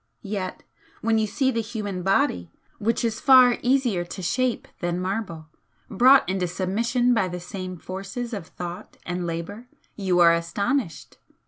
Yet when you see the human body, which is far easier to shape than marble, brought into submission by the same forces of Thought and Labour, you are astonished!